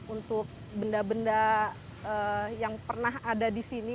untuk benda benda yang pernah ada di sini